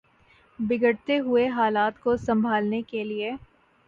بگڑتے ہوئے حالات کو سنبھالنے کے لیے